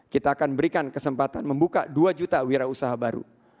kita akan berikan kesempatan membuka dua juta wirausaha baru